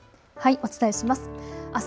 お伝えします。